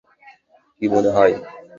কি মনে হয়?